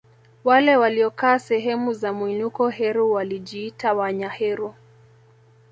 Wale waliokaa sehemu za mwinuko Heru walijiita Wanyaheru